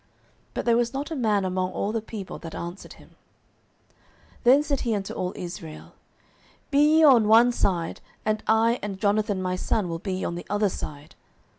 But there was not a man among all the people that answered him. 09:014:040 Then said he unto all Israel, Be ye on one side, and I and Jonathan my son will be on the other side.